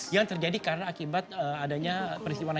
yang terjadi karena akibat adanya peristiwa sembilan sebelas